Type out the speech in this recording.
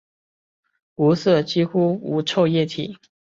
无色几乎无臭液体。